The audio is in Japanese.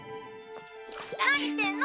何してんの？